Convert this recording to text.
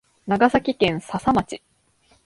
長崎県佐々町